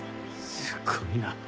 すごいな。